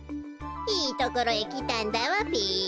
いいところへきたんだわべ。